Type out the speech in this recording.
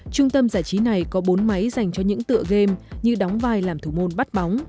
trung tâm giải trí này có bốn máy dành cho những tựa game như đóng vai làm thủ môn bắt bóng